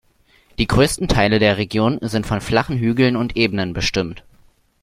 Die größten Teile der Region sind von flachen Hügeln und Ebenen bestimmt.